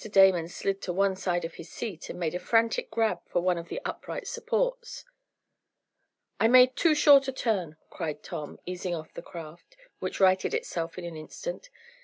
Damon slid to one side of his seat, and made a frantic grab for one of the upright supports. "I made too short a turn!" cried Tom, easing off the craft, which righted itself in an instant.